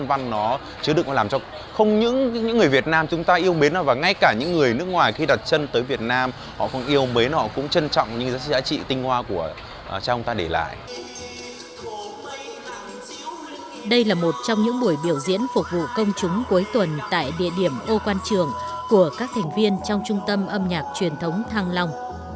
đây là một trong những buổi biểu diễn phục vụ công chúng cuối tuần tại địa điểm ô quan trường của các thành viên trong trung tâm âm nhạc truyền thống thăng long